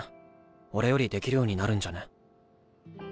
俺よりできるようになるんじゃねぇ？